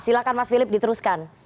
silahkan mas filip diteruskan